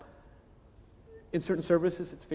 saya pikir di beberapa perusahaan